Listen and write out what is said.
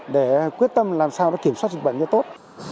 để quyết tâm làm sao đó kiểm soát dịch bệnh cho tốt